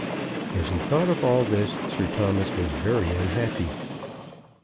As he thought of all this Sir Thomas was very unhappy.